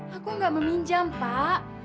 aku gak meminjam pak